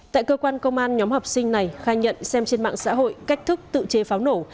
tại cơ quan công an nhóm học sinh này khai nhận xem trên mạng xã hội cách thức tự chế pháo nổ